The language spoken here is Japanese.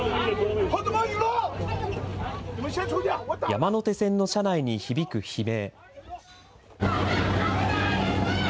山手線の車内に響く悲鳴。